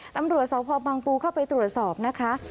ตำรวจสพบังปูเข้าไปตรวจสอบนะคะ